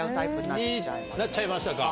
なっちゃいましたか。